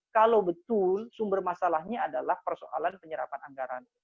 kalau betul sumber masalahnya adalah persoalan penyerapan anggaran